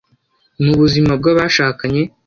Mu buzima bw’abashakanye